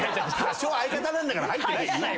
多少相方なんだから入ってない？